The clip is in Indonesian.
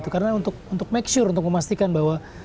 karena untuk make sure untuk memastikan bahwa